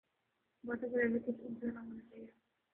باتوں کا لیول کچھ اونچا ہونا چاہیے۔